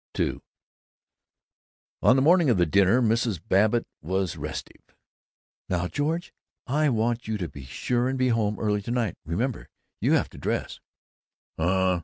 II On the morning of the dinner, Mrs. Babbitt was restive. "Now, George, I want you to be sure and be home early to night. Remember, you have to dress."